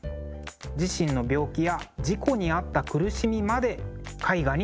自身の病気や事故に遭った苦しみまで絵画に表現しています。